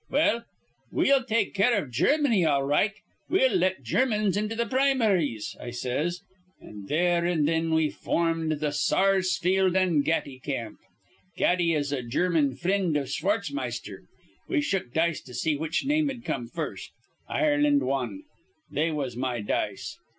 Well, we'll take care iv Germany, all right. We'll let Germans into th' prim'ries,' I says. An' there an' thin we formed th' Sarsfield an' Gatty camp. Gatty is a German frind iv Schwartzmeister. We shook dice to see which name'd come first. Ireland won. They was my dice.